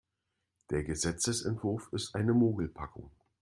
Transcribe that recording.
Der Gesetzesentwurf ist eine Mogelpackung.